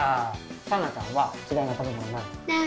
さなちゃんは嫌いな食べ物何？